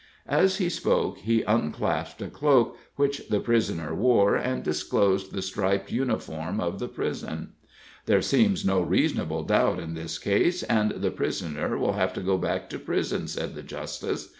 As he spoke, he unclasped a cloak which the prisoner wore, and disclosed the striped uniform of the prison. "There seems no reasonable doubt in this case, and the prisoner will have to go back to prison," said the justice.